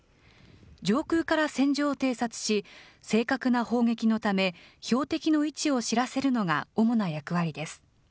上空から戦場を偵察し、正確な砲撃のため、標的の位置を知らせるのが主な役割です。